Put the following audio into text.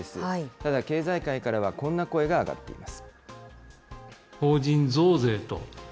ただ、経済界からはこんな声が上がっています。